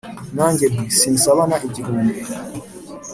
nanjye nti " sinsabana igihumbi,